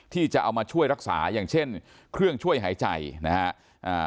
ที่จะเอามาช่วยรักษาอย่างเช่นเครื่องช่วยหายใจนะฮะอ่า